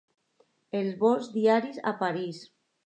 Els vols diaris a París.